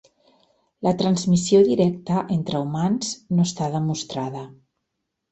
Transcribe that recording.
La transmissió directa entre humans no està demostrada.